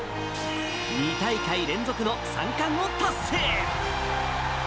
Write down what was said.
２大会連続の３冠を達成。